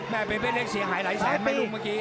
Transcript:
เบเป้เล็กเสียหายหลายแสนไหมลูกเมื่อกี้